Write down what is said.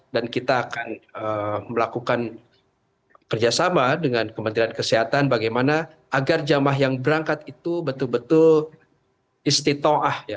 dan kita akan melakukan kerjasama dengan kementerian kesehatan bagaimana agar jemaah yang berangkat itu betul betul istitoah